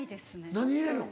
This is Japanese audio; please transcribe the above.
何入れるの？